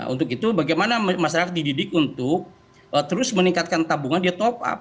untuk itu bagaimana masyarakat dididik untuk terus meningkatkan tabungan dia top up